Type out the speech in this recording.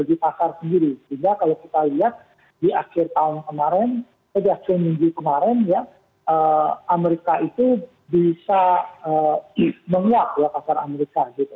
jadi kalau kita lihat di akhir tahun kemarin pada hari minggu kemarin ya amerika itu bisa menguap ya pasar amerika gitu